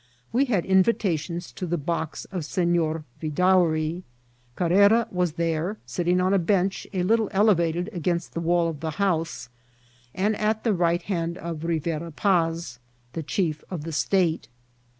We had invitations to the box of Senor Vidaury. Carrera was there, sitting on a bench a little elevated against the wall of the house, and at the right hand of Rivera Paz, the chief of the state.